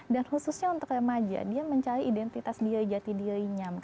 dan khususnya untuk remaja dia mencari identitas diri jati dirinya